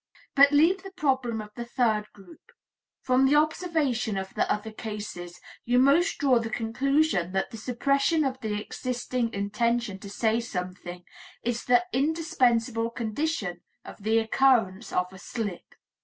But leave the problem of the third group; from the observation of the other cases, you most draw the conclusion that the suppression of the existing intention to say something is the indispensable condition of the occurrence of a slip.